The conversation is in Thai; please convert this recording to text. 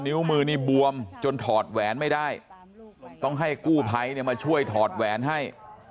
นิ้วมือนี่บวมจนถอดแหวนไม่ได้ต้องให้กู้ภัยมาช่วยถอดแหวนให้